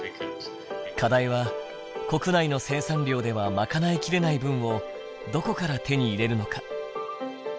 課題は国内の生産量では賄いきれない分をどこから手に入れるのか。